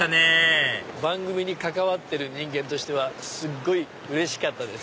番組に関わってる人間としてはすっごいうれしかったです。